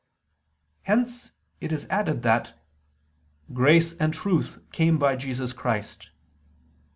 Hence it is added that "grace and truth came by Jesus Christ."